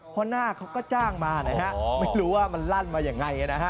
เพราะหน้าเขาก็จ้างมานะฮะไม่รู้ว่ามันลั่นมายังไงนะฮะ